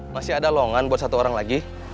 masih ada longan buat satu orang lagi